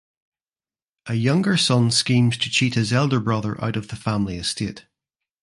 A younger son schemes to cheat his elder brother out of the family estate.